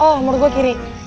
oh menurut gua kiri